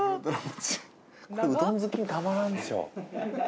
これうどん好きたまらんでしょ。